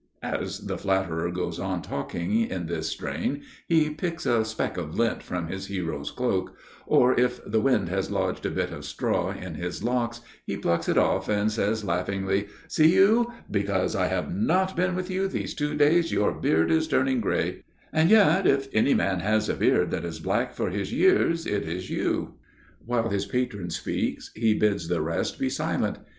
As the flatterer goes on talking in this strain he picks a speck of lint from his hero's cloak; or if the wind has lodged a bit of straw in his locks, he plucks it off and says laughingly, "See you? Because I have not been with you these two days, your beard is turned gray. And yet if any man has a beard that is black for his years, it is you." While his patron speaks, he bids the rest be silent.